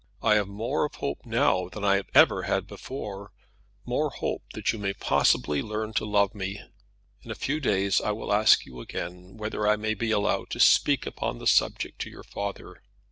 I have more of hope now than I have ever had before, more hope that you may possibly learn to love me. In a few days I will ask you again whether I may be allowed to speak upon the subject to your father.